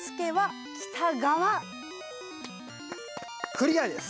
クリアです。